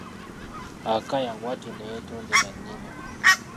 Akaya bw'atyo ne yeetondera nnyina.